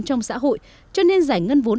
trong xã hội cho nên giải ngân vốn